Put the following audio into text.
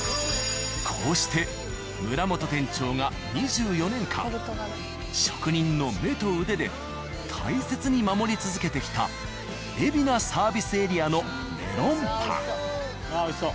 こうして村本店長が２４年間職人の目と腕で大切に守り続けてきた海老名サービスエリアのメロンパン。